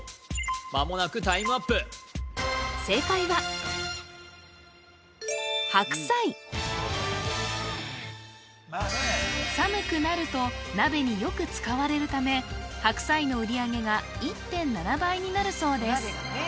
まもなくタイムアップ正解は白菜寒くなると鍋によく使われるため白菜の売り上げが１．７倍になるそうです